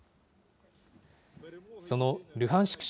そのルハンシク